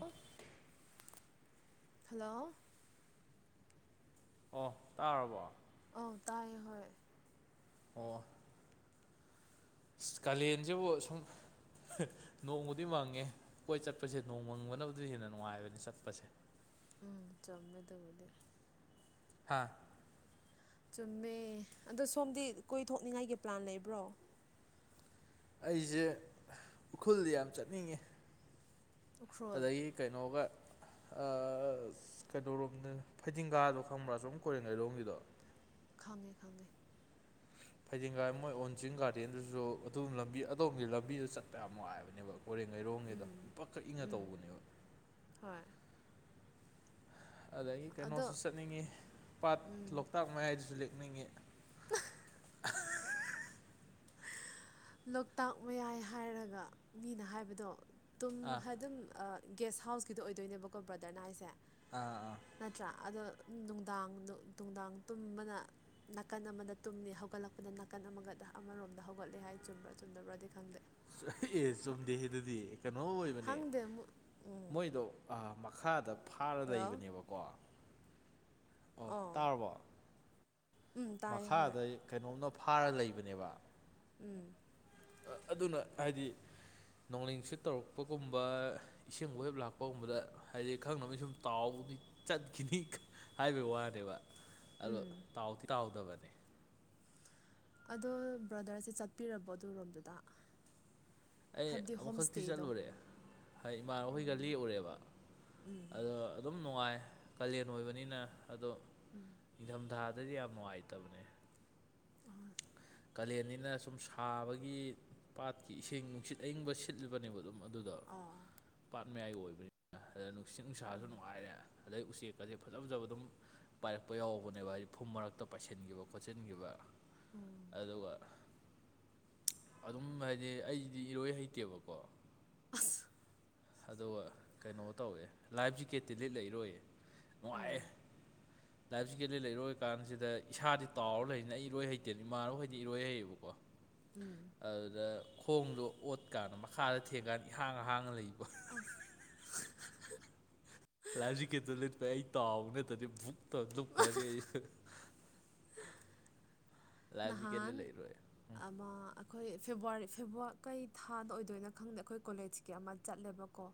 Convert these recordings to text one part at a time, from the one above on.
ꯑꯣ ꯍꯜꯂꯣ ꯑꯣ ꯇꯥꯔꯕꯣ ꯑꯧ ꯇꯥꯏꯌꯦ ꯍꯣꯏ ꯑꯣ ꯏꯁ ꯀꯂꯦꯟꯖꯤ ꯕꯨ ꯁꯨꯝ ꯅꯣꯡꯕꯨꯗꯤ ꯃꯪꯉꯦ ꯀꯣꯏ ꯆꯠꯄꯁꯦ ꯅꯣꯡ ꯃꯪꯕꯅꯕꯗꯤ ꯍꯦꯟꯅ ꯅꯨꯡꯉꯥꯏꯕꯅꯤ ꯆꯠꯄꯁꯦ ꯎꯝ ꯆꯝꯃꯦ ꯑꯗꯨꯕꯨꯗꯤ ꯍꯥꯥ ꯆꯨꯝꯃꯦ ꯑꯗꯣ ꯁꯣꯝꯗꯤ ꯀꯣꯏꯊꯣꯛꯅꯤꯡꯉꯥꯏꯒꯤ ꯄ꯭ꯂꯥꯟ ꯂꯩꯕ꯭ꯔꯣ ꯑꯩꯖꯦ ꯎꯈ꯭ꯔꯨꯜꯗ ꯌꯥꯝ ꯆꯠꯅꯤꯡꯉꯦ ꯎꯈ꯭ꯔꯨꯜ ꯑꯗꯒꯤ ꯀꯩꯅꯣꯒ ꯑꯥ ꯀꯩꯅꯣꯔꯣꯝꯅꯦ ꯐꯩꯗꯤꯡꯒꯥꯗꯣ ꯈꯪꯕ꯭ꯔꯥ ꯑꯥꯁꯣꯝ ꯀꯣꯏꯔꯦꯡꯒꯩꯔꯣꯝꯒꯤꯗꯣ ꯈꯪꯉꯦ ꯈꯪꯉꯦ ꯐꯩꯗꯤꯡꯒꯥꯏ ꯃꯣꯏ ꯑꯣꯟ ꯆꯤꯡ ꯒꯥꯔꯗꯦꯟꯗꯨꯖꯨ ꯑꯗꯨꯝ ꯂꯝꯕꯤ ꯑꯗꯣꯝꯒꯤ ꯂꯝꯕꯤꯗ ꯆꯠ ꯌꯥꯝ ꯅꯨꯡꯉꯥꯏꯕꯅꯦꯕ ꯀꯣꯏꯔꯦꯡꯒꯩꯔꯣꯝꯒꯤꯗꯣ ꯎꯝ ꯏꯄꯛꯀ ꯏꯪꯉ ꯎꯝ ꯇꯧꯕꯅꯦꯕ ꯍꯣꯏ ꯑꯗꯒꯤ ꯑꯗꯣ ꯀꯩꯅꯣꯁꯨ ꯆꯠꯅꯤꯡꯉꯤ ꯄꯥꯠ ꯎꯝ ꯂꯣꯛꯇꯥꯛ ꯃꯌꯥꯏꯗꯁꯨ ꯂꯦꯛꯅꯤꯡꯉꯤ [unintelligible] ꯂꯣꯛꯇꯥꯛ ꯃꯌꯥꯏ ꯍꯥꯏꯔꯒ ꯃꯤꯅ ꯍꯥꯏꯕꯗꯣ ꯇꯨꯝ ꯑꯥ ꯍꯥꯏ ꯑꯗꯨꯝ ꯒꯦꯁ ꯍꯥꯎꯁꯀꯤꯗꯣ ꯑꯣꯏꯗꯣꯏꯅꯦꯕꯀꯣ ꯕ꯭ꯔꯗꯔꯅ ꯍꯥꯏꯁꯦ ꯑꯥ ꯑꯥ ꯅꯠꯇ꯭ꯔꯥ ꯑꯗꯣ ꯅꯨꯡꯗꯥꯡ ꯅꯨꯡꯗꯥꯡ ꯇꯨꯝꯕꯅ ꯅꯥꯀꯟ ꯑꯃꯗ ꯇꯨꯝꯅꯤ ꯍꯧꯒꯠꯂꯛꯄꯗ ꯅꯥꯀꯟ ꯑꯃꯒꯗ ꯑꯃꯔꯣꯝꯗ ꯍꯧꯒꯠꯂꯦ ꯍꯥꯏ ꯆꯨꯝꯕ꯭ꯔꯥ ꯆꯨꯝꯗꯕ꯭ꯔꯗꯤ ꯈꯪꯗꯦ ꯑꯦ ꯆꯨꯝꯗꯦꯍꯦ ꯑꯗꯨꯗꯤ ꯀꯩꯅꯣ ꯑꯣꯏꯕꯅꯦ ꯍꯪꯗꯦ ꯑꯃꯨꯛ ꯎꯝ ꯃꯣꯏꯗꯣ ꯑꯥ ꯃꯈꯥꯗ ꯐꯥꯔ ꯍꯜꯂꯣ ꯂꯩꯕꯅꯦꯕꯀꯣ ꯑꯣ ꯑꯣ ꯇꯥꯔꯕꯣ ꯎꯝ ꯇꯥꯏ ꯍꯣꯏ ꯃꯈꯥꯗꯩ ꯀꯩꯅꯣꯝꯅ ꯐꯥꯔ ꯂꯩꯕꯅꯦꯕ ꯎꯝ ꯑꯗꯨꯅ ꯍꯥꯏꯗꯤ ꯅꯣꯡꯂꯩ ꯅꯨꯡꯁꯤꯠ ꯇꯧꯔꯛꯄꯒꯨꯝꯕ ꯏꯁꯤꯡ ꯋꯦꯞ ꯂꯥꯛꯄꯒꯨꯝꯕꯗ ꯍꯥꯏꯗꯤ ꯈꯪꯅꯕ ꯁꯨꯝ ꯇꯥꯎꯕꯗꯤ ꯆꯠꯈꯤꯅꯤ ꯍꯥꯏꯕꯩ ꯋꯥꯅꯦꯕ ꯑꯗꯣ ꯎꯝ ꯇꯥꯎꯗꯤ ꯇꯥꯎꯗꯕꯅꯦ ꯑꯗꯣ ꯕ꯭ꯔꯗꯔꯁꯦ ꯆꯠꯄꯤꯔꯕꯣ ꯑꯗꯨ ꯔꯣꯝꯗꯨꯗ ꯑꯩ ꯑꯃꯨꯛꯈꯛꯇꯤ ꯆꯠꯂꯨꯔꯦ ꯍꯥꯏ ꯏꯃꯥꯟꯅꯕꯍꯣꯏꯒ ꯎꯝ ꯂꯦꯛꯎꯔꯦꯕ ꯎꯝ ꯑꯗꯣ ꯑꯗꯨꯝ ꯅꯨꯡꯉꯥꯏ ꯀꯥꯂꯦꯟ ꯑꯣꯏꯕꯅꯤꯅ ꯑꯗꯣ ꯎꯝ ꯅꯤꯡꯊꯝꯊꯥꯗꯗꯤ ꯌꯥꯝ ꯅꯨꯡꯉꯥꯏꯇꯕꯅꯦ ꯀꯥꯂꯦꯟꯅꯤꯅ ꯁꯨꯝ ꯁꯥꯕꯒꯤ ꯄꯥꯠꯀꯤ ꯏꯁꯤꯡ ꯅꯨꯡꯁꯤꯠ ꯑꯏꯪꯕ ꯁꯤꯠꯂꯤꯕꯅꯦꯕ ꯑꯗꯨꯝ ꯑꯗꯨꯗ ꯑꯣ ꯄꯥꯠ ꯃꯌꯥꯏ ꯑꯣꯏꯕꯅꯤꯅ ꯑꯗ ꯅꯨꯡꯁꯤꯠ ꯑꯣ ꯅꯨꯡꯁꯥꯁꯨ ꯅꯨꯡꯉꯥꯏꯔꯦ ꯑꯗꯩ ꯎꯆꯦꯛꯀꯁꯦ ꯐꯖ ꯐꯖꯕ ꯑꯗꯨꯝ ꯄꯥꯏꯔꯛꯄ ꯌꯥꯎꯕꯅꯦꯕ ꯍꯥꯏꯗꯤ ꯐꯨꯝ ꯃꯔꯛꯇ ꯄꯥꯏꯁꯤꯟꯈꯤꯕ ꯈꯣꯠꯆꯤꯟꯈꯤꯕ ꯎꯝ ꯑꯗꯨꯒ ꯑꯗꯨꯝ ꯍꯥꯏꯗꯤ ꯑꯩꯗꯤ ꯏꯔꯣꯏ ꯍꯩꯇꯦꯕꯀꯣ ꯑꯁ ꯑꯗꯨꯒ ꯀꯩꯅꯣ ꯇꯧꯋꯦ ꯂꯥꯏꯐ ꯖꯤꯀꯦꯠꯇꯤ ꯂꯤꯠꯂꯥ ꯏꯔꯣꯏꯌꯦ ꯅꯨꯉꯥꯏꯌꯦ ꯑꯣ ꯂꯥꯏꯞꯐ ꯖꯤꯀꯦꯗ ꯂꯤꯂꯥ ꯏꯔꯣꯏ ꯀꯥꯟꯁꯤꯗ ꯏꯁꯥꯗꯤ ꯇꯥꯎꯔ ꯂꯩꯖꯤꯅ ꯑꯩ ꯏꯔꯣꯏ ꯍꯩꯇꯅ ꯏꯃꯥꯟꯅꯕꯈꯩꯗꯤ ꯏꯔꯣꯏ ꯍꯩꯌꯦꯕꯀꯣ [inaudible] ꯎꯝ ꯑꯗꯨꯗ ꯈꯣꯡꯗꯣ ꯑꯣꯠꯀꯥꯟꯗ ꯃꯈꯥꯗ ꯊꯦꯡꯀꯥꯟꯗ ꯏꯍꯥꯡ ꯍꯥꯡꯅ ꯂꯩꯕ ꯑꯁ ꯂꯥꯏꯐ ꯖꯤꯀꯦꯠꯇꯣ ꯂꯤꯠꯄ ꯑꯩ ꯇꯥꯎꯕ ꯅꯠꯇ꯭ꯔꯗꯤ ꯕꯨꯛꯇ ꯂꯨꯞꯈ꯭ꯔꯅꯤ ꯑꯩ ꯂꯥꯏꯐ ꯖꯤꯀꯦꯠꯂꯤ ꯅꯍꯥꯟ ꯂꯩꯔꯣꯏ ꯑꯃ ꯑꯩꯈꯣꯏ ꯐꯦꯕꯋꯥꯔꯤ ꯐꯦꯕꯋꯥ ꯀꯩ ꯊꯥꯗ ꯑꯣꯏꯗꯣꯏꯅꯣ ꯈꯪꯗꯦ ꯑꯩꯈꯣꯏ ꯀꯣꯂꯦꯖ ꯀꯤ ꯑꯃ ꯆꯠꯂꯦꯕꯀꯣ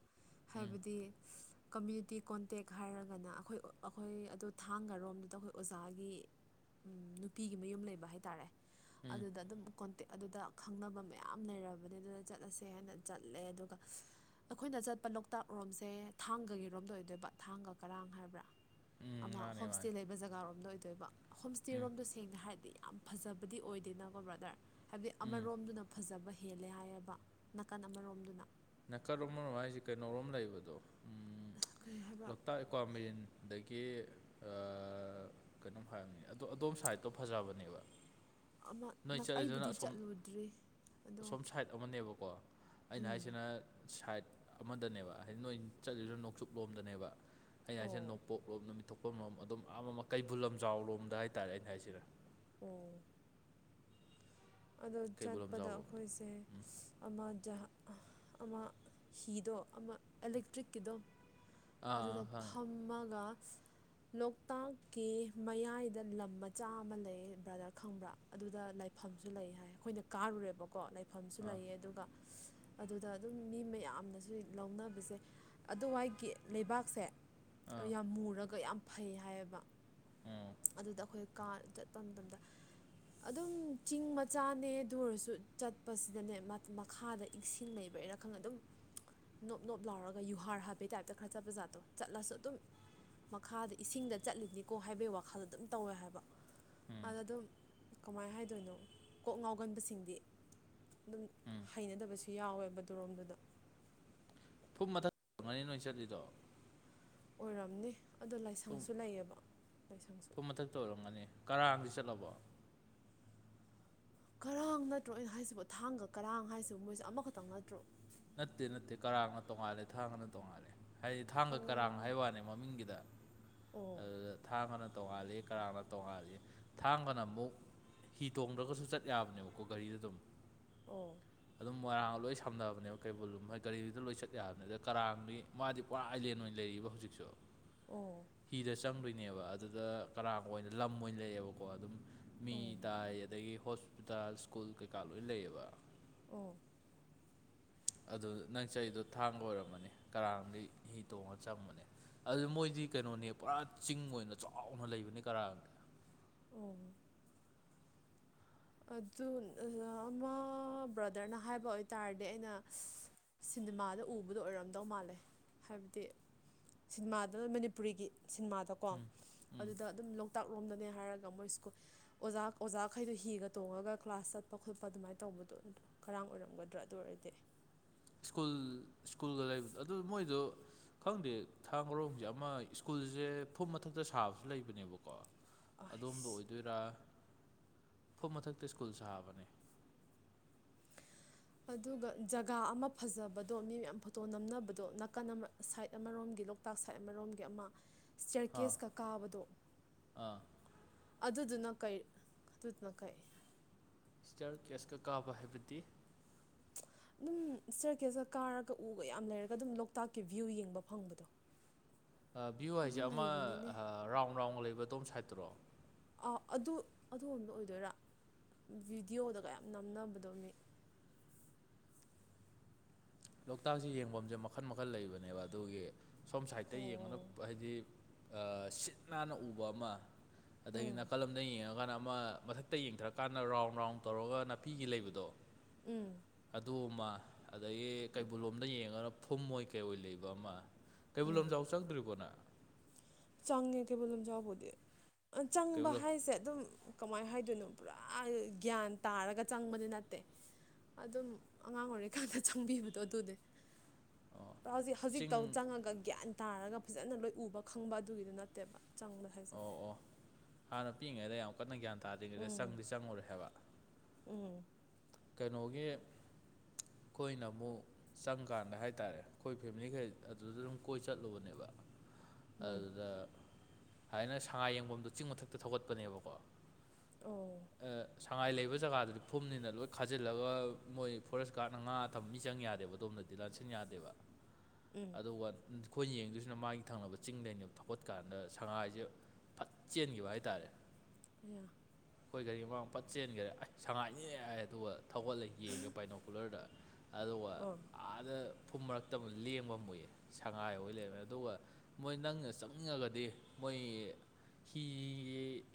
ꯎꯝ ꯍꯥꯏꯕꯗꯤ ꯀꯝꯃ꯭ꯌꯨꯅꯤꯇꯤ ꯀꯣꯟꯇꯦꯛ ꯍꯥꯏꯔꯒꯅ ꯑꯩꯈꯣꯏ ꯑꯩꯈꯣꯏ ꯑꯗꯨ ꯊꯥꯡꯒꯔꯣꯝꯗꯨꯗ ꯑꯩꯈꯣꯏ ꯑꯣꯖꯥꯒꯤ ꯎꯝ ꯅꯨꯄꯤꯒꯤ ꯃꯌꯨꯝ ꯂꯩꯕ ꯍꯥꯏꯇꯥꯔꯦ ꯎꯝ ꯑꯗꯨꯗ ꯑꯗꯨꯝ ꯀꯣꯟꯇꯦꯛ ꯑꯗꯨꯗ ꯈꯪꯅꯕ ꯃꯌꯥꯝ ꯂꯩꯔꯕꯅꯤ ꯑꯗꯨꯗ ꯆꯠꯂꯁꯦ ꯍꯥꯏꯅ ꯆꯠꯂꯦ ꯑꯗꯨꯒ ꯑꯩꯈꯣꯏꯅ ꯆꯠꯄ ꯂꯣꯛꯇꯥꯛꯔꯣꯝꯁꯦ ꯊꯥꯡꯒꯥꯒꯤꯔꯣꯝꯗ ꯑꯣꯏꯗꯣꯏꯕ ꯊꯥꯡꯒ ꯀꯔꯥꯡ ꯍꯥꯏꯕ꯭ꯔꯥ ꯎꯝ ꯑꯃ ꯃꯥꯅꯦ ꯃꯥꯅꯦ ꯍꯣꯝꯁꯇꯦ ꯂꯩꯕ ꯖꯒꯥꯔꯣꯝꯗ ꯑꯣꯏꯗꯣꯏꯕ ꯎꯝ ꯍꯣꯝꯁꯇꯦꯔꯣꯝꯗꯣ ꯁꯦꯡꯅ ꯍꯥꯏꯔꯗꯤ ꯌꯥꯝ ꯐꯖꯕꯗꯤ ꯑꯣꯏꯗꯦꯅꯀꯣ ꯕ꯭ꯔꯥꯗꯔ ꯍꯥꯏꯕꯗꯤ ꯎꯝ ꯑꯃꯔꯣꯝꯗꯨꯅ ꯐꯖꯕ ꯍꯦꯜꯂꯦ ꯍꯥꯏꯌꯦꯕ ꯅꯥꯀꯟ ꯑꯃꯔꯣꯝꯗꯨꯅ ꯅꯥꯀꯜ ꯑꯃꯔꯣꯝ ꯍꯥꯏꯁꯦ ꯀꯩꯅꯧꯔꯣꯝ ꯂꯩꯕꯗꯣ ꯎꯝ ꯀꯔꯤ ꯍꯥꯏꯕ꯭ꯔꯥ ꯂꯣꯛꯇꯥꯛ ꯀ꯭ꯋꯥꯃꯦꯔꯤꯟ ꯑꯗꯒꯤ ꯑꯥ ꯀꯩꯅꯣꯝ ꯍꯥꯏꯕꯅꯤ ꯑꯗꯣ ꯑꯗꯣꯝ ꯁꯥꯏꯠꯇꯣ ꯐꯖꯕꯅꯦꯕ ꯑꯃ ꯅꯣꯏ ꯆꯠꯂꯤꯗꯨꯅ ꯑꯩꯕꯨꯗꯤ ꯑꯁꯣꯝ ꯆꯠꯂꯨꯗ꯭ꯔꯤ ꯑꯗꯣ ꯑꯁꯣꯝ ꯁꯥꯏꯠ ꯑꯃꯅꯦꯕꯀꯣ ꯑꯩꯅ ꯎꯝ ꯍꯥꯏꯖꯦ ꯑꯩꯅ ꯁꯥꯏꯠ ꯑꯃꯗꯅꯦꯕ ꯍꯥꯏꯗꯤ ꯅꯣꯏ ꯆꯠꯂꯤꯗꯣ ꯅꯣꯡꯆꯨꯞ ꯂꯣꯝꯗꯅꯦꯕ ꯑꯩꯅ ꯍꯥꯏꯁꯤꯅ ꯑꯣ ꯅꯣꯡꯄꯣꯛꯂꯣꯝ ꯅꯨꯃꯤꯠ ꯊꯣꯛꯐꯝ ꯂꯣꯝ ꯑꯗꯨꯝ ꯑꯥ ꯃꯃꯥ ꯀꯩꯕꯨꯜ ꯂꯝꯖꯥꯎ ꯂꯣꯝꯗ ꯍꯥꯏꯇꯥꯥꯔꯦ ꯑꯩꯅ ꯍꯥꯏꯁꯤꯔꯥ ꯑꯣ ꯑꯗꯣ ꯀꯩꯕꯨꯜ ꯆꯠꯄꯗ ꯂꯝꯖꯥꯎ ꯂꯣꯝꯗ ꯑꯩꯈꯣꯏꯁꯦ ꯎꯝ ꯑꯃ ꯖꯥꯍꯥ ꯑꯃ ꯍꯤꯗꯣ ꯑꯃ ꯑꯦꯂꯦꯛꯇ꯭ꯔꯤꯛꯀꯤꯗꯣ ꯑꯥ ꯑꯗꯨꯗ ꯑꯥ ꯈꯪꯉꯦ ꯐꯝꯃꯒ ꯂꯣꯛꯇꯥꯛꯀꯤ ꯃꯌꯥꯏꯗ ꯂꯝ ꯃꯆꯥ ꯑꯃ ꯂꯩꯌꯦ ꯕ꯭ꯔꯗꯔ ꯈꯪꯕ꯭ꯔꯥ ꯑꯗꯨꯗ ꯂꯥꯏꯐꯝ ꯂꯩ ꯍꯥꯏ ꯑꯩꯈꯣꯏꯅ ꯀꯥꯔꯨꯔꯦꯕꯀꯣ ꯂꯩꯐꯝꯁꯨ ꯑꯥ ꯂꯩꯌꯦ ꯑꯗꯨꯒ ꯑꯗꯨꯗ ꯑꯗꯨꯝ ꯃꯤ ꯃꯌꯥꯝꯅꯁꯨ ꯂꯧꯅꯕꯁꯦ ꯑꯗꯨꯋꯥꯏꯒꯤ ꯂꯩꯕꯥꯛꯁꯦ ꯑꯥ ꯌꯥꯝ ꯃꯨꯔꯒ ꯌꯥꯝ ꯐꯩ ꯍꯥꯏꯌꯦꯕ ꯎꯝ ꯑꯗꯨꯗ ꯑꯩꯈꯣꯏ ꯀꯥ ꯆꯠꯄ ꯃꯇꯝꯗ ꯑꯗꯨꯝ ꯆꯤꯡ ꯃꯆꯥꯅꯦ ꯑꯗꯨ ꯑꯣꯏꯔꯁꯨ ꯆꯠꯄꯁꯤꯗꯅꯦ ꯃꯈꯥꯗ ꯏꯁꯤꯡ ꯂꯩꯕꯩꯔ ꯈꯪꯗꯦ ꯑꯗꯨꯝ ꯅꯣꯞ ꯅꯣꯞ ꯂꯥꯎꯔꯒ ꯌꯨꯍꯥꯔ ꯍꯥꯕꯩ ꯇꯥꯏꯞꯇ ꯈꯔ ꯆꯠꯄ ꯖꯥꯠꯇꯣ ꯆꯠꯂꯁꯨ ꯑꯗꯨꯝ ꯃꯈꯥꯗ ꯏꯁꯤꯡꯗ ꯆꯠꯂꯤꯅꯤꯀꯣ ꯍꯥꯏꯕꯒꯤ ꯋꯥꯈꯜꯗ ꯑꯗꯨꯝ ꯇꯧꯋꯦ ꯍꯥꯏꯕ ꯎꯝ ꯑꯗ ꯑꯗꯨꯝ ꯀꯃꯥꯏ ꯍꯥꯏꯗꯣꯏꯅꯣ ꯀꯣꯛ ꯉꯥꯎꯒꯟꯕꯁꯤꯡꯗꯤ ꯑꯗꯨꯝ ꯎꯝ ꯍꯩꯅꯗꯕꯁꯨ ꯌꯥꯎꯋꯦꯕ ꯗꯣꯔꯣꯝꯗꯨꯗ ꯐꯨꯝ ꯃꯊꯪꯛ ꯅꯨꯉꯥꯏꯅꯤ ꯅꯣꯏ ꯆꯠꯂꯤꯗꯣ ꯑꯣꯏꯔꯝꯅꯤ ꯑꯗꯣ ꯂꯥꯏꯁꯪꯁꯨ ꯂꯩꯌꯦꯕ ꯂꯥꯏꯁꯪꯁꯨ ꯇꯣ ꯑꯣꯏꯔꯝꯒꯅꯤ ꯀꯔꯥꯡꯗꯤ ꯆꯠꯂꯕꯣ ꯀꯔꯥꯡ ꯅꯠꯇ꯭ꯔꯣ ꯑꯩꯅ ꯍꯥꯏꯁꯤꯕ ꯊꯥꯡꯒ ꯀꯔꯥꯡ ꯍꯥꯏꯁꯤꯕ ꯃꯣꯏꯁꯦ ꯑꯃꯈꯛꯇꯪ ꯅꯠꯇ꯭ꯔꯣ ꯅꯠꯇꯦ ꯅꯠꯇꯦ ꯀꯔꯥꯡꯅ ꯇꯣꯡꯉꯥꯜꯂꯦ ꯊꯥꯡꯒꯅ ꯇꯣꯡꯉꯥꯜꯂꯦ ꯍꯥꯏꯗꯤ ꯊꯥꯡꯒ ꯀꯔꯥꯡ ꯑꯣ ꯍꯥꯏ ꯋꯥꯅꯤ ꯃꯃꯤꯡꯒꯤꯗ ꯑꯣ ꯑꯗꯨꯗ ꯊꯥꯡꯒꯅ ꯇꯣꯡꯉꯥꯜꯂꯤ ꯀꯔꯥꯡꯅ ꯇꯣꯡꯉꯥꯜꯂꯤ ꯊꯥꯡꯒꯅ ꯑꯃꯨꯛ ꯍꯤ ꯇꯣꯡꯗ꯭ꯔꯒꯁꯨ ꯆꯠ ꯌꯥꯕꯅꯦꯕꯀꯣ ꯒꯥꯔꯤꯗ ꯑꯗꯨꯝ ꯑꯣ ꯑꯗꯨꯝ ꯃꯣꯏꯔꯥꯡꯒ ꯂꯣꯏ ꯁꯝꯅꯕꯅꯦꯕ ꯀꯩꯕꯨꯜ ꯂꯨꯝ ꯃꯣꯏ ꯒꯥꯔꯤꯗꯨꯗ ꯂꯣꯏ ꯆꯠ ꯌꯥꯕꯅꯤ ꯑꯗ ꯀꯔꯥꯡꯒꯤ ꯃꯥꯗꯤ ꯄꯨꯔꯥ ꯑꯥꯏꯂꯦꯟ ꯑꯣꯏꯅ ꯂꯩꯔꯤꯕ ꯍꯧꯖꯤꯛꯁꯨ ꯑꯣ ꯍꯤꯗ ꯆꯪꯗꯣꯏꯅꯦꯕ ꯑꯗꯨꯗ ꯀꯅꯥꯒ ꯑꯣꯏꯅ ꯂꯝ ꯑꯣꯏꯅ ꯂꯩꯑꯦꯕꯀꯣ ꯑꯗꯨꯝ ꯃꯤ ꯑꯣ ꯇꯥꯏ ꯑꯗꯒꯤ ꯍꯣꯁꯄꯤꯇꯥꯜ ꯁ꯭ꯀꯨꯜ ꯀꯩꯀꯥ ꯂꯣꯏ ꯂꯩꯌꯦꯕ ꯑꯣ ꯑꯗꯨ ꯅꯪ ꯆꯩꯗꯣ ꯊꯥꯡꯒ ꯑꯣꯏꯔꯝꯃꯅꯤ ꯀꯔꯥꯡꯗꯒꯤꯩ ꯍꯤ ꯇꯣꯡꯉꯒ ꯆꯝꯕꯅꯦ ꯑꯗꯨ ꯃꯣꯏꯗꯤ ꯀꯩꯅꯣꯅꯦ ꯄꯨꯔꯥ ꯆꯤꯡ ꯑꯣꯏꯅ ꯆꯥꯎꯅ ꯂꯩꯕꯅꯦ ꯀꯔꯥ ꯑꯣ ꯑꯗꯨ ꯑꯃ ꯕ꯭ꯔꯗꯔꯅ ꯍꯥꯏꯕ ꯑꯣꯏꯇꯥꯔꯗꯤ ꯑꯩꯅ ꯁꯤꯅꯦꯃꯥꯗ ꯎꯕꯗꯣ ꯑꯣꯏꯔꯝꯗꯧ ꯃꯥꯜꯂꯦ ꯍꯥꯏꯕꯗꯤ ꯁꯤꯅꯦꯃꯥꯗ ꯃꯅꯤꯄꯨꯔꯤꯒꯤ ꯁꯤꯅꯦꯃꯥꯗꯣ ꯀꯣ ꯑꯗꯨꯗ ꯑꯗꯨꯝ ꯂꯣꯛꯇꯥꯛ ꯂꯣꯝꯗꯅꯦ ꯍꯥꯏꯔꯒ ꯃꯣꯏ ꯁ꯭ꯀꯨꯜ ꯑꯣꯖꯥ ꯑꯣꯖꯥꯈꯩꯗꯣ ꯍꯤꯒꯗ ꯇꯣꯡꯉꯒ ꯀ꯭ꯂꯥꯁ ꯆꯠꯄ ꯈꯣꯠꯄ ꯑꯗꯨꯃꯥꯏꯅ ꯇꯧꯕꯗꯣ ꯑꯗꯨ ꯀꯔꯥꯡ ꯑꯣꯏꯔꯝꯒꯗ꯭ꯔꯥ ꯑꯗꯨ ꯑꯣꯏꯔꯗꯤ ꯁ꯭ꯀꯨꯜ ꯁ꯭ꯀꯨꯜꯒ ꯂꯩꯕꯗꯣ ꯑꯗꯨ ꯃꯣꯏꯗꯨ ꯈꯪꯗꯦ ꯊꯥ ꯃꯔꯣꯡꯁꯦ ꯑꯃ ꯁ꯭ꯀꯨꯜꯁꯦ ꯐꯨꯝ ꯃꯊꯛꯇ ꯁꯥꯕꯁꯨ ꯂꯩꯕꯅꯦꯕꯀꯣ ꯑꯁ ꯑꯗꯣꯝꯗ ꯑꯣꯏꯗꯣꯏꯔꯥ ꯐꯨꯝ ꯃꯊꯛꯇ ꯁ꯭ꯀꯨꯜ ꯁꯥꯕꯅꯦ ꯑꯗꯨꯒ ꯖꯒꯥ ꯑꯃ ꯐꯖꯕꯗꯣ ꯃꯤ ꯃꯌꯥꯝ ꯐꯣꯇꯣ ꯅꯝꯅꯕꯗꯣ ꯅꯥꯀꯟ ꯑꯃ ꯁꯥꯏꯠ ꯑꯃꯔꯣꯝꯒꯤ ꯂꯧ ꯂꯣꯛꯇꯥꯛ ꯁꯥꯏꯠ ꯑꯃꯔꯣꯝꯒꯤ ꯑꯃ ꯑꯥ ꯆꯔꯀꯦꯁꯀ ꯀꯥꯕꯗꯣ ꯑꯥ ꯑꯗꯨꯗꯨꯅ ꯀꯩ ꯑꯗꯨꯗꯨꯅ ꯀꯩ ꯁꯇꯤꯌꯥꯔ ꯀꯦꯁꯀ ꯀꯥꯕ ꯍꯥꯏꯕꯗꯤ ꯑꯗꯨꯝ ꯆꯔꯀꯦꯁ ꯀꯥꯔꯒ ꯎꯒ ꯌꯥꯝ ꯂꯩꯔꯒ ꯑꯗꯨꯝ ꯂꯣꯛꯇꯥꯛꯀꯤ ꯚ꯭ꯌꯨ ꯌꯦꯡꯕ ꯐꯪꯕꯗꯣ ꯚ꯭ꯌꯨ ꯍꯥꯏꯁꯦ ꯑꯃ ꯔꯥꯎꯟ ꯔꯥꯎꯟ ꯂꯩꯕ ꯇꯣꯝ ꯁꯥꯏꯠꯇ꯭ꯔꯣ ꯑ ꯑꯗꯨ ꯑꯗꯣꯝꯗ ꯑꯣꯏꯗꯣꯏꯔꯥ ꯚꯕꯤꯗꯤꯑꯣꯗꯒꯌꯥꯝ ꯅꯝꯅꯕꯗꯣ ꯃꯤ ꯂꯣꯛꯇꯥꯛꯁꯦ ꯌꯦꯡꯐꯝꯁꯦ ꯃꯈꯜ ꯃꯈꯜ ꯂꯩꯕꯅꯦꯕ ꯑꯗꯨꯒꯤ ꯁꯣꯝ ꯁꯥꯏꯗꯠꯇ ꯌꯦꯡꯉꯅ ꯑꯣ ꯍꯥꯏꯗꯤ ꯁꯤꯠ ꯅꯥꯟꯅ ꯎꯕ ꯑꯃ ꯑꯗꯒꯤ ꯎꯝ ꯅꯥꯀꯜ ꯑꯃ ꯑꯃꯗ ꯌꯦꯡꯉꯀꯥꯟꯗ ꯑꯃ ꯃꯊꯛꯇ ꯌꯦꯡꯊꯔꯀꯥꯟꯗ ꯔꯥꯎꯟ ꯔꯥꯎꯟ ꯇꯧꯔꯒ ꯅꯥꯄꯤꯒꯤ ꯂꯩꯕꯗꯣ ꯎꯝ ꯑꯗꯨ ꯑꯃ ꯑꯗꯒꯤ ꯎꯝ ꯀꯩꯕꯨꯜꯂꯣꯝꯗ ꯌꯦꯡꯉꯒ ꯐꯨꯝ ꯃꯣꯏ ꯀꯩ ꯑꯣꯏ ꯂꯩꯕ ꯑꯃ ꯀꯩꯕꯨꯜ ꯎꯝ ꯂꯝꯖꯥꯎ ꯆꯪꯗ꯭ꯔꯤꯕꯣꯅ ꯆꯪꯉꯦ ꯀꯩꯕꯨꯜ ꯂꯝꯖꯥꯎꯕꯨꯗꯤ ꯆꯪꯕ ꯀꯩꯕꯨꯜ ꯍꯥꯏꯁꯦ ꯑꯗꯨꯝ ꯀꯃꯥꯏꯅ ꯍꯥꯏꯗꯣꯏꯅꯣ ꯄꯨꯔꯥ ꯒ꯭ꯌꯥꯟ ꯇꯥꯔꯒ ꯆꯪꯕꯗꯤ ꯅꯠꯇꯦ ꯑꯗꯨꯝ ꯑꯉꯥꯡ ꯑꯣꯏꯔꯤꯀꯥꯟꯗ ꯆꯪꯕꯤꯕꯗꯣ ꯑꯗꯨꯅꯦ ꯑꯣ ꯍꯧꯖꯤꯛ ꯍꯧꯖꯤꯛꯇꯧ ꯆꯤꯡ ꯆꯪꯉꯒ ꯒ꯭ꯌꯥꯟ ꯇꯥꯔꯒ ꯐꯖꯅ ꯂꯣꯏ ꯎꯕ ꯈꯪ ꯈꯪꯕ ꯑꯗꯨꯒꯤꯗ ꯅꯠꯇꯦꯕ ꯆꯪꯕꯗ ꯍꯥꯏꯁꯦ ꯑꯣ ꯑꯣ ꯍꯥꯟꯅ ꯄꯤꯛꯏꯉꯩꯗ ꯌꯥꯝ ꯀꯟꯅ ꯒ꯭ꯌꯥꯟ ꯇꯥꯗ꯭ꯔꯤꯉꯩꯗ ꯎꯝ ꯆꯪꯗꯤ ꯆꯪꯉꯨꯔꯦ ꯍꯥꯏꯕ ꯎꯝ ꯀꯩꯅꯣꯒꯤ ꯑꯩꯈꯣꯏꯅ ꯑꯃꯨꯛ ꯆꯪꯀꯥꯟꯗ ꯍꯥꯏ ꯇꯔꯦ ꯑꯩꯈꯣꯏ ꯐꯦꯃꯤꯂꯤ ꯈꯩ ꯑꯗꯨꯗ ꯑꯗꯨꯝ ꯀꯣꯏ ꯆꯠꯂꯨꯕꯅꯦꯕ ꯎꯝ ꯑꯗꯨꯗ ꯍꯥꯏꯅ ꯁꯉꯥꯏ ꯌꯦꯡꯐꯝꯗꯣ ꯆꯤꯡ ꯃꯊꯛꯇ ꯊꯧꯒꯠꯄꯅꯦꯕꯀꯣ ꯑꯣ ꯁꯉꯥꯏ ꯂꯩꯕ ꯖꯒꯥꯗꯨꯗꯤ ꯐꯨꯝꯅꯤꯅ ꯂꯣꯏ ꯈꯥꯖꯤꯜꯂꯒ ꯃꯣꯏ ꯐꯣꯔꯦꯁ ꯒꯥꯔꯗꯅ ꯉꯥ ꯊꯝꯕ ꯃꯤ ꯆꯪ ꯌꯥꯗꯦꯕ ꯑꯗꯣꯝꯗꯗꯤ ꯂꯥꯟꯁꯟ ꯌꯥꯗꯦꯕ ꯎꯝ ꯑꯗꯨꯒ ꯑꯩꯈꯣꯏꯅ ꯌꯦꯡꯗꯣꯏꯁꯤꯅ ꯃꯥꯒꯤ ꯊꯪꯅꯕ ꯆꯤꯡꯗꯕ ꯊꯧꯄꯠꯀꯥꯟꯗ ꯁꯉꯥꯏꯁꯦ ꯐꯠ ꯆꯦꯟꯈꯤꯕ ꯍꯥꯏ ꯇꯔꯦ ꯇ꯭ꯔ ꯑꯩꯈꯣꯏ ꯒꯥꯔꯤ ꯃꯃꯥꯡ ꯄꯠ ꯆꯦꯟꯈꯔꯦ ꯑꯩꯁ ꯁꯉꯥꯏꯅꯦ ꯌꯥ ꯑꯗꯨꯒ ꯊꯧꯒꯠꯂꯒ ꯌꯦꯡꯉꯦ ꯄꯕꯥꯥꯏꯅꯣꯀꯨꯂꯔꯗ ꯑꯗꯨꯒ ꯑꯥ ꯑꯥꯗ ꯐꯨꯝ ꯃꯔꯛꯇ ꯑꯃꯨꯛ ꯂꯦꯡꯕ ꯃꯨꯏ ꯁꯉꯥꯏ ꯍ ꯂꯩꯕꯅꯤꯅ ꯑꯗꯨꯒ ꯃꯣꯏ ꯅꯪꯅ ꯆꯪꯅꯤꯡꯉꯒꯗꯤ ꯃꯣꯏ ꯍꯤ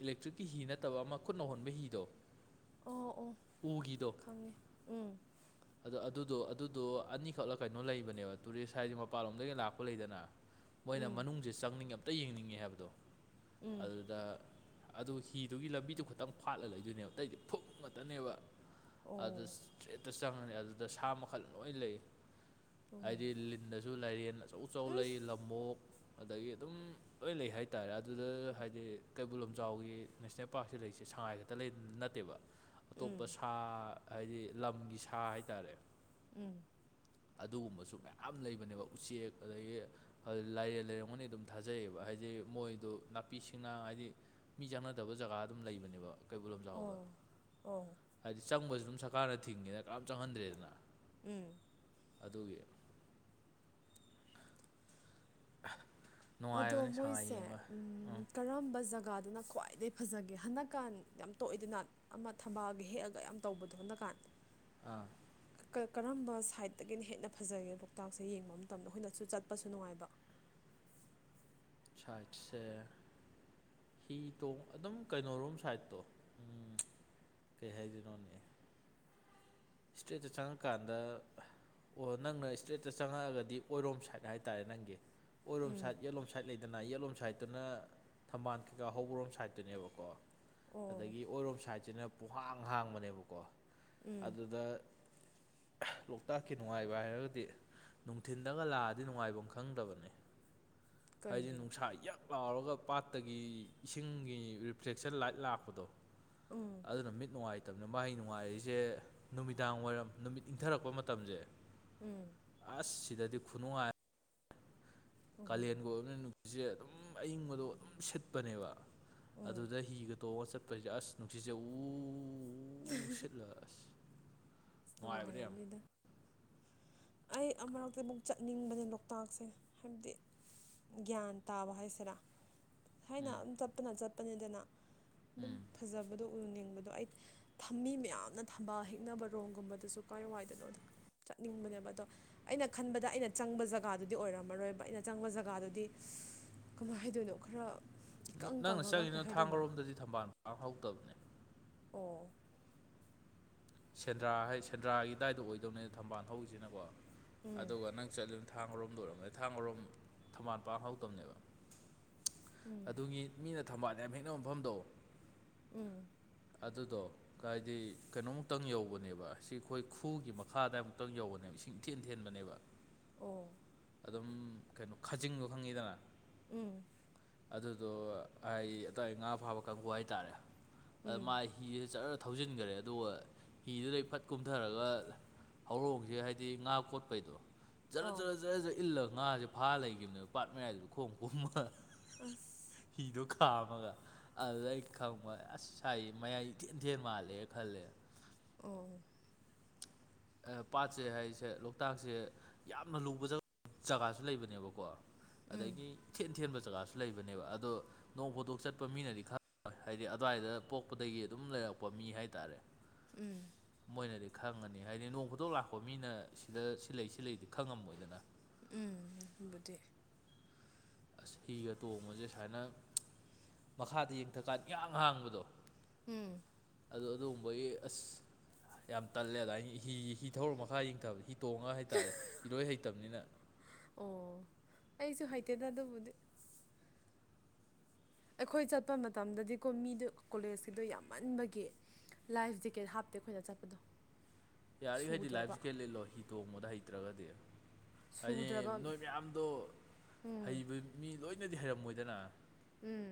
ꯏꯂꯦꯛꯇ꯭ꯔꯤꯛꯀꯤ ꯍꯤ ꯅꯠꯇꯕ ꯑꯃ ꯈꯨꯠ ꯅꯧꯍꯣꯟꯕ ꯍꯤꯗꯣ ꯑꯣ ꯑꯣ ꯎꯒꯤꯗꯣ ꯈꯪꯉꯦ ꯎꯝ ꯑꯗꯣ ꯑꯗꯨꯗꯣ ꯑꯗꯨꯗꯣ ꯑꯅꯤꯈꯛꯂ ꯀꯩꯅꯣ ꯂꯩꯕꯅꯦꯕ ꯇꯨꯔꯤꯁ ꯍꯥꯏꯗꯤ ꯃꯄꯥꯟꯂꯣꯝꯗꯒꯤ ꯂꯥꯛꯄ ꯂꯩꯗꯅ ꯃꯣꯏꯅ ꯎꯝ ꯃꯅꯨꯡꯁꯦ ꯆꯪꯅꯤꯡꯉꯦ ꯑꯝꯇ ꯌꯦꯡꯅꯤꯡꯉꯦ ꯍꯥꯏꯕꯗꯣ ꯎꯝ ꯑꯗꯨꯗ ꯑꯗꯨ ꯍꯤꯗꯨꯒꯤ ꯂꯝꯕꯤꯗꯨ ꯈꯤꯇꯪ ꯐꯥꯠꯂ ꯂꯩꯗꯣꯏꯅꯦꯕ ꯑꯇꯩꯗꯤ ꯐꯛ ꯉꯛꯇꯅꯦꯕ ꯑꯗꯨ ꯑꯣ ꯇ꯭ꯔꯦꯠꯇ ꯆꯪꯉꯅꯤ ꯑꯗꯨꯗ ꯁꯥ ꯃꯈꯜ ꯂꯣꯏ ꯂꯩ ꯑꯣ ꯍꯥꯏꯗꯤ ꯎꯝ ꯟꯗꯁꯨ ꯂꯥꯏꯔꯦꯟ ꯑꯆꯧ ꯑꯆꯧ ꯂꯩ ꯂꯝꯕꯣꯛ ꯑꯗꯒꯤ ꯑꯗꯨꯝ ꯂꯣꯏ ꯂꯩ ꯍꯥꯏꯇꯥꯔꯦ ꯑꯗꯨꯗ ꯍꯥꯏꯗꯤ ꯀꯩꯕꯨꯜ ꯂꯝꯖꯥꯎꯒꯤ ꯅꯦꯁꯅꯦꯜ ꯄꯥꯔꯛꯁꯤꯦ ꯂꯩꯔꯤꯁꯦ ꯁꯉꯥꯏ ꯈꯛꯇ ꯂꯩ ꯅꯠꯇꯦꯕ ꯎꯝ ꯑꯇꯣꯞꯄ ꯁꯥ ꯍꯥꯏꯗꯤ ꯂꯝꯒꯤ ꯁꯥ ꯍꯥꯏꯇꯥꯔꯦ ꯎꯝ ꯑꯗꯨꯒꯨꯝꯕꯁꯨ ꯃꯌꯥꯝ ꯂꯩꯕꯅꯦꯕ ꯎꯆꯦꯛ ꯑꯗꯒꯤ ꯂꯥꯏꯔ ꯂꯩꯔꯝꯒꯅꯤ ꯑꯗꯨꯝ ꯊꯥꯖꯩꯌꯦꯕ ꯍꯥꯏꯗꯤ ꯃꯣꯏꯗꯨ ꯅꯥꯄꯤꯁꯤꯡꯅ ꯍꯥꯏꯗꯤ ꯃꯤ ꯆꯥꯟꯅꯗꯕ ꯖꯒꯥ ꯑꯗꯨꯝ ꯂꯩꯕꯅꯦꯕ ꯀꯩꯕꯨꯜ ꯂꯝꯖꯥꯎꯗ ꯑꯣ ꯑꯣ ꯍꯥꯏꯗꯤ ꯆꯪꯕꯁꯨ ꯑꯗꯨꯝ ꯁꯔꯀꯥꯔꯅ ꯊꯤꯡꯉꯤꯅ ꯀꯔꯝ ꯆꯪꯍꯟꯗ꯭ꯔꯦꯗꯅ ꯎꯝ ꯑꯗꯨꯒꯤ ꯑꯗꯣ ꯅꯨꯡꯉꯥꯏꯕꯅꯦ ꯁꯉꯥꯏ ꯃꯣꯏꯁꯦ ꯌꯦꯡꯕ ꯀꯔꯝꯕ ꯖꯒꯥꯗꯅ ꯈ꯭ꯋꯥꯏ ꯈ꯭ꯋꯥꯏꯗꯒꯤꯩ ꯐꯖꯒꯦ ꯍꯟꯗꯛ ꯀꯥꯟ ꯌꯥꯝ ꯇꯣꯏꯗꯅꯠ ꯑꯃ ꯊꯝꯕꯥꯑꯒ ꯍꯦꯛꯜꯒꯤ ꯌꯥꯝ ꯇꯧꯕꯗꯣꯠꯅꯀꯥꯟꯗ ꯑꯥ ꯀꯔꯝꯕ ꯁꯥꯏꯗꯠꯇꯒꯤꯅ ꯍꯦꯟꯅ ꯐꯖꯒꯦ ꯂꯣꯛꯇꯥꯛꯁꯦ ꯌꯦꯡꯕ ꯃꯇꯝꯗ ꯑꯩꯈꯣꯏꯅꯁꯨ ꯆꯠꯄꯁꯨ ꯅꯨꯡꯉꯥꯏꯕ ꯁꯥꯠꯁ ꯍꯤ ꯇꯣꯡ ꯑꯗꯨꯝ ꯀꯩꯅꯣꯔꯣꯝ ꯁꯥꯏꯠꯇꯣ ꯎꯝ ꯀꯩ ꯍꯥꯏꯗꯣꯏꯅꯣꯅꯦ ꯏꯁꯇ꯭ꯔꯦꯖꯇ ꯆꯪꯉꯀꯥꯟꯗ ꯑꯣ ꯅꯪꯅ ꯏꯁꯇ꯭ꯔꯦꯠꯇ ꯆꯪꯉꯛꯑꯒꯗꯤ ꯑꯣꯏꯔꯣꯝ ꯁꯥꯏꯠ ꯍꯥꯏꯇꯥꯔꯦ ꯅꯪꯒꯤ ꯑꯣꯏꯔꯣꯝ ꯎꯝ ꯁꯥꯏꯠ ꯌꯦꯂꯣꯝ ꯁꯥꯏꯠ ꯂꯩ ꯀꯅꯥ ꯌꯦꯠꯂꯣꯝ ꯁꯥꯏꯠꯇꯨꯅ ꯊꯝꯕꯥꯜ ꯀꯩꯀꯥ ꯍꯧꯕꯔꯣꯝ ꯁꯥꯏꯗꯠꯇꯨꯅꯦꯕꯀꯣ ꯑꯣ ꯑꯗꯒꯤ ꯑꯣꯏꯔꯣꯝ ꯁꯥꯏꯠꯁꯤꯅ ꯄꯍꯥꯡ ꯍꯥꯡꯕꯅꯦꯕꯀꯣ ꯎꯝ ꯑꯗꯨꯗ ꯂꯣꯛꯇꯥꯛꯀꯤ ꯅꯨꯡꯉꯥꯏꯕ ꯍꯥꯏꯔꯒꯗꯤ ꯅꯨꯡꯊꯤꯟꯗꯒ ꯂꯥꯛꯑꯗꯤ ꯅꯨꯡꯉꯥꯏꯐꯝ ꯈꯪꯗꯕꯅꯤ ꯍꯥꯏꯗꯤ ꯀꯩꯒꯤꯅꯣ ꯅꯨꯡꯁꯥ ꯌꯥꯝꯛ ꯂꯥꯎꯔꯒ ꯄꯥꯠꯇꯒꯤ ꯏꯁꯤꯡꯒꯤ ꯔꯤꯐ꯭ꯂꯦꯛꯁꯟ ꯂꯥꯏꯠ ꯂꯥꯛꯄꯗꯣ ꯎꯝ ꯑꯗꯨꯅ ꯃꯤꯠ ꯅꯨꯡꯉꯥꯏꯇꯕꯅꯤ ꯃꯥꯩ ꯅꯨꯡꯉꯥꯏꯔꯤꯁꯦ ꯅꯨꯃꯤꯗꯥꯡ ꯋꯥꯏꯔꯝ ꯅꯨꯃꯤꯠ ꯏꯪꯊꯔꯛꯄ ꯃꯇꯝꯁꯦ ꯎꯝ ꯑꯁ ꯁꯤꯗꯗꯤ ꯈꯨꯅꯨꯡꯉꯥꯏ ꯑꯣ ꯀꯥꯂꯦꯟꯒ ꯑꯣꯏꯕꯅ ꯅꯨꯁꯤꯠꯁꯦ ꯑꯗꯨꯝ ꯑꯏꯤꯡꯕꯗꯣ ꯑꯗꯨꯝ ꯁꯤꯠꯄꯅꯦꯕ ꯎꯝ ꯑꯗꯨꯗ ꯍꯤꯒ ꯇꯣꯛꯑꯒ ꯆꯠꯄꯁꯦ ꯑꯁ ꯅꯨꯡꯁꯤꯖꯦ ꯎ ꯁꯤꯠꯂ ꯑꯁ ꯅꯨꯡꯉꯥꯏꯕꯅꯦ ꯌꯥꯝ ꯅꯨꯡꯉꯥꯏꯔꯔꯕꯅꯤꯗ ꯑꯩ ꯑꯃꯨꯔꯛꯇ ꯑꯃꯨꯛ ꯆꯠꯅꯤꯡꯕꯅꯦ ꯂꯣꯛꯇꯥꯛꯁꯦ ꯍꯥꯏꯕꯗꯤ ꯒ꯭ꯌꯥꯟ ꯇꯥꯕ ꯍꯥꯏꯁꯤꯔꯥ ꯊꯥꯏꯅ ꯎꯝ ꯑꯗꯨꯝ ꯆꯠꯄꯅ ꯆꯠꯄꯅꯤꯗꯅ ꯑꯗꯨꯝ ꯎꯝ ꯐꯖꯕꯗꯣ ꯎꯔꯨꯅꯤꯡꯕꯗꯣ ꯑꯩ ꯊꯝꯃꯤ ꯃꯌꯥꯝꯅ ꯊꯝꯕ ꯍꯤꯛꯅꯕ ꯔꯣꯒꯨꯝꯕꯗꯁꯨ ꯀꯥꯏ ꯋꯥꯏꯗꯅꯣ ꯆꯠꯅꯤꯡꯕꯅꯦꯕ ꯑꯗꯣ ꯑꯩꯅ ꯈꯟꯕꯗ ꯑꯩꯅ ꯆꯪꯕ ꯖꯒꯥꯗꯨꯗꯤ ꯑꯣꯏꯔꯝꯃꯔꯣꯏꯕ ꯑꯩꯅ ꯆꯪꯕ ꯖꯒꯥꯗꯨꯗꯤ ꯀꯃꯥꯏ ꯍꯥꯏꯗꯣꯏꯅꯣ ꯈꯔ ꯏꯀꯪ ꯅꯪꯅ ꯀꯪꯉꯒ ꯀꯩ ꯆꯪꯉꯤꯅ ꯍꯥꯏꯗꯣꯏꯅꯣ ꯊꯥꯡꯒꯔꯣꯝꯗꯗꯤ ꯊꯝꯕꯥꯜ ꯀꯥꯡ ꯍꯧꯧꯗꯕꯅꯦ ꯑꯣ ꯁꯦꯟꯗ꯭ꯔꯥ ꯍꯥꯏ ꯁꯦꯟꯗ꯭ꯔꯥꯒꯤ ꯗꯥꯏꯇ ꯑꯣꯏꯗꯧꯅꯦ ꯊꯝꯕꯥꯜ ꯊꯧꯁꯤꯅꯀꯣ ꯎꯝ ꯑꯗꯨꯒ ꯅꯪ ꯆꯠꯂꯨ ꯊꯥꯡꯔꯣꯝꯗ ꯑꯣꯏꯔꯝꯕꯅꯤ ꯊꯥꯡ ꯑꯔꯣꯝ ꯊꯝꯕꯥꯜ ꯄꯥꯡ ꯍꯧꯧꯇꯕꯅꯦꯕ ꯎꯝ ꯑꯗꯨꯒꯤ ꯃꯤꯅ ꯊꯝꯕꯥꯜꯗ ꯌꯥꯝ ꯍꯦꯛꯅꯕ ꯃꯐꯝꯗꯣ ꯎꯝ ꯑꯗꯨꯗꯣ ꯀꯗꯤ ꯀꯩꯅꯣꯃꯨꯛꯇꯪ ꯌꯧꯕꯅꯦꯕ ꯁꯤ ꯑꯩꯈꯣꯏ ꯈꯨꯒꯤ ꯃꯈꯥꯗꯏꯃꯨꯛꯇꯪ ꯌꯧꯕꯅꯦꯕ ꯁꯤ ꯍꯤꯡꯊꯦꯟ ꯊꯦꯟꯕꯅꯦꯕ ꯑꯣ ꯑꯗꯨꯝ ꯀꯩꯅꯣ ꯈꯥꯖꯤꯡꯗꯨꯣ ꯈꯪꯉꯤꯗꯅ ꯎꯝ ꯑꯗꯨꯗꯣ ꯍꯥꯏ ꯑꯇꯋꯥ ꯉꯥ ꯐꯥꯕ ꯀꯥꯡꯕꯨ ꯍꯥꯏꯇꯥꯔꯦ ꯎꯝ ꯃꯥ ꯍꯤꯗꯨꯗ ꯆꯔ ꯊꯧꯖꯤꯟꯈꯔꯦ ꯑꯗꯨꯒ ꯍꯤꯗꯨꯗꯩ ꯐꯠ ꯀꯨꯝꯊꯔꯒ ꯍꯧꯔꯣꯡꯁꯦ ꯍꯥꯏꯕꯗꯤ ꯉꯥ ꯀꯣꯠꯄꯩꯗꯣ ꯖꯔ ꯑꯣ ꯖꯔ ꯖꯔ ꯖꯔ ꯏꯜꯂꯒ ꯉꯥꯁꯦ ꯐꯥ ꯂꯩꯈꯤꯕꯅꯦꯕ ꯄꯥꯠ ꯃꯌꯥꯏꯗꯨ ꯈꯣꯡ ꯈꯣꯃ ꯑꯁ ꯍꯤꯗꯣ ꯈꯥꯝꯃꯒ ꯑꯗꯨꯗ ꯑꯩ ꯈꯪꯕꯣꯏ ꯑꯁ ꯊꯥꯏ ꯃꯌꯥꯏ ꯏꯊꯦꯟꯊꯦꯟ ꯃꯥꯜꯂꯦ ꯈꯜꯂꯦ ꯑꯣ ꯄꯥꯠꯁꯦ ꯍꯥꯏꯁꯦ ꯂꯣꯛꯇꯥꯛꯁꯦ ꯌꯥꯝꯅ ꯂꯨꯕ ꯖꯒꯥꯁꯨ ꯂꯩꯕꯅꯦꯕꯀꯣ ꯎꯝ ꯑꯗꯒꯤ ꯏꯊꯦꯟ ꯊꯦꯟꯕ ꯖꯒꯥꯁꯨ ꯂꯩꯕꯅꯦꯕ ꯑꯗꯣ ꯅꯣꯡ ꯐꯣꯇꯣꯛ ꯆꯠꯄ ꯃꯤꯅꯗꯤ ꯈꯔ ꯍꯣꯏ ꯍꯥꯏꯗꯤ ꯑꯗꯨꯋꯥꯏꯗ ꯄꯣꯛꯄꯗꯒꯤ ꯑꯗꯨꯝ ꯂꯩꯔꯛꯄ ꯃꯤ ꯍꯥꯏꯇꯥꯔꯦ ꯎꯝ ꯃꯣꯏꯅꯗꯤ ꯈꯪꯉꯅꯤ ꯍꯥꯏꯗꯤ ꯅꯣꯡ ꯐꯨꯇꯣꯛ ꯂꯥꯛꯄ ꯃꯤꯅ ꯁꯤꯗ ꯁꯤꯂ ꯁꯤꯂꯗꯤ ꯈꯪꯉꯝꯃꯣꯏꯗꯅ ꯎꯝꯕꯨꯗꯤ ꯑꯁ ꯍꯤꯒ ꯇꯣꯡꯕꯁꯦ ꯁꯨꯃꯥꯏꯅ ꯃꯈꯥꯗ ꯌꯦꯡꯊꯛꯀꯥꯟꯗ ꯏꯍꯡ ꯍꯥꯡꯕꯗꯣ ꯎꯝ ꯑꯗꯨ ꯑꯗꯨꯒꯨꯝꯕꯒꯤ ꯑꯁ ꯌꯥꯝ ꯇꯜꯂꯦ ꯑꯗꯨꯥꯏ ꯍꯤ ꯍꯤ ꯊꯧꯔ ꯃꯈꯥ ꯌꯦꯡꯊꯕꯗꯤ ꯇꯣꯡꯉ ꯍꯥꯏꯇꯥꯔꯦ ꯏꯔꯣꯏ ꯍꯩꯇꯕꯅꯤꯅ ꯑꯣ ꯑꯩꯁꯨ ꯍꯩꯇꯦꯗ ꯑꯗꯨꯕꯨꯗꯤ ꯑꯩꯈꯣꯏ ꯆꯠꯄ ꯃꯇꯝꯗꯗꯤꯀꯣ ꯃꯤꯗꯣ ꯀꯣꯂꯦꯖꯀꯤꯗꯣ ꯌꯥꯝꯃꯟꯕꯒꯤ ꯂꯥꯏꯐ ꯖꯦꯀꯦꯠ ꯍꯥꯞꯇꯦ ꯑꯩꯈꯣꯏꯗ ꯆꯠꯄꯗꯣ ꯌꯥꯔꯤꯈꯩꯗꯤ ꯁꯨꯗ꯭ꯔꯕ ꯂꯥꯏꯐꯁꯨꯀꯦꯠ ꯂꯤꯠꯂꯣ ꯍꯤ ꯇꯣꯡꯕꯗ ꯍꯩꯇ꯭ꯔꯒꯗꯤ ꯍꯥꯏꯗꯤ ꯁꯨꯗ꯭ꯔꯕ ꯅꯣꯏ ꯃꯌꯥꯝꯗꯣ ꯎꯝ ꯍꯩꯕ ꯃꯤ ꯂꯣꯏꯅꯗꯤ ꯍꯩꯔꯝꯃꯣꯏꯗꯅ ꯎꯝ